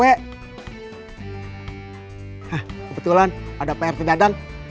hahaha kebetulan ada prt dadang